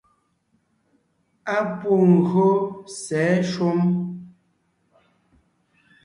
Á pû gÿô sɛ̌ shúm.